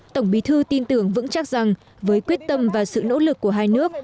tổng bí thư tin tưởng vững chắc rằng với quyết tâm và sự nỗ lực của hai nước